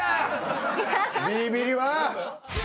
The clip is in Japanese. ビリビリは！